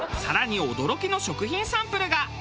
更に驚きの食品サンプルが。